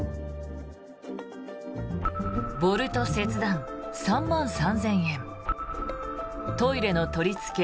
ボルト切断、３万３０００円トイレの取りつけ